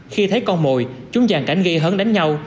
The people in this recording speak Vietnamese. khi thấy con mồi chúng dàn cảnh gây hấn đánh nhau